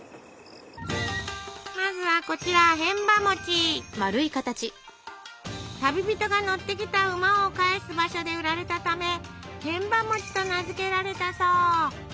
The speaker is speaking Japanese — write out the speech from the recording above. まずはこちら旅人が乗ってきた馬を返す場所で売られたためへんばと名付けられたそう。